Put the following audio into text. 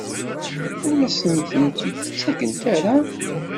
Ur as-tent-id-ttakent ara?